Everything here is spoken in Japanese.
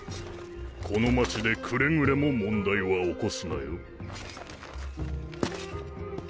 この街でくれぐれも問題は起こすなよ。